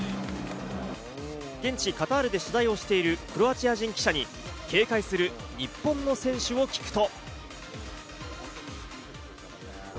現地カタールで取材をしているクロアチア人記者に警戒する日本の選手を聞くと。